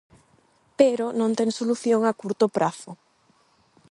Pero non ten solución a curto prazo.